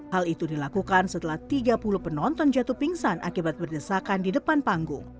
hal itu dilakukan setelah tiga puluh penonton jatuh pingsan akibat berdesakan di depan panggung